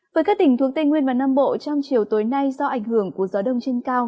với các tỉnh thuộc tây nguyên và nam bộ trong chiều tối nay do ảnh hưởng của gió đông trên cao